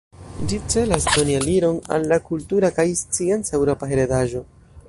Ĝi celas doni aliron al la kultura kaj scienca eŭropa heredaĵo.